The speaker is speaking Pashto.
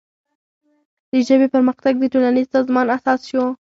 د ژبې پرمختګ د ټولنیز سازمان اساس شو.